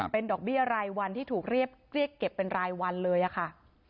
เป็นดอกเบี้ยรายวันที่ถูกเรียกเก็บเป็นรายวันเลยอะค่ะ